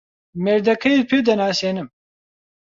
مێردەکەیت پێ دەناسێنم.